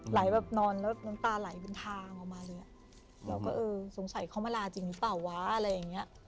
แบบนอนแล้วน้ำตาไหลเป็นทางออกมาเลยอ่ะเราก็เออสงสัยเขามาลาจริงหรือเปล่าวะอะไรอย่างเงี้ย